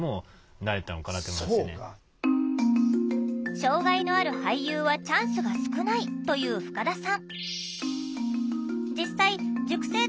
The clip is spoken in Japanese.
障害のある俳優はチャンスが少ないと言う深田さん。